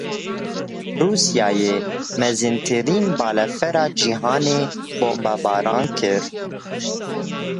Rûsyayê mezintirîn balefira cîhanê bombebaran kir.